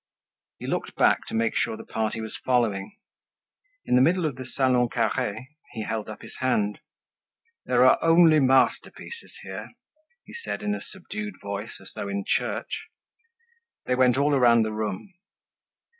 He looked back to make sure the party was following. In the middle of the Salon Carre, he held up his hand. "There are only masterpieces here," he said, in a subdued voice, as though in church. They went all around the room.